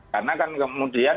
karena kan kemudian